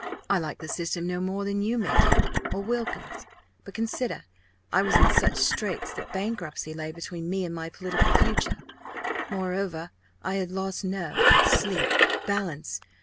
I like the system no more than you may do or Wilkins. But consider. I was in such straits that bankruptcy lay between me and my political future. Moreover I had lost nerve, sleep, balance.